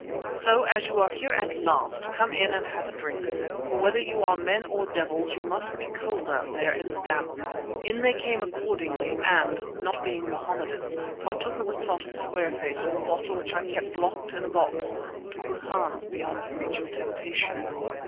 "So as you are here at last, come in and have a drink, for whether you are men or devils, you must be cold out there in the damp." In they came accordingly, and, not being Mohammedans, partook of a tot of square face from a bottle which I kept locked in a box to put Hans beyond the reach of temptation.